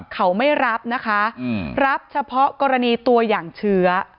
เขาไม่รับนะคะรับเฉพาะกรณีตัวอย่างเชื้อ